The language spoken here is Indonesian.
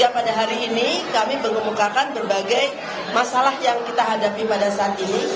pada hari ini kami mengemukakan berbagai masalah yang kita hadapi pada saat ini